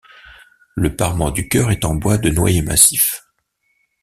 Le parement du chœur est en bois de noyer massif.